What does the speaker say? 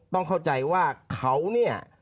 ต้องเข้าใจว่าเขาเนี่ย